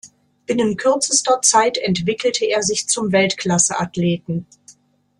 Binnen kürzester Zeit entwickelte er sich zum Weltklasse-Athleten.